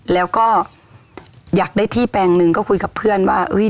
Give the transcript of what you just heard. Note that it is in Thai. แล้วก็อยากได้ที่แปลงหนึ่งก็คุยกับเพื่อนว่า